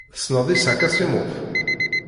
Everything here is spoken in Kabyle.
Tessneḍ Isaac Asimov?